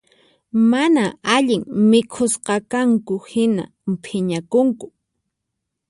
Mana allin mikhusqakanku hina phiñakunku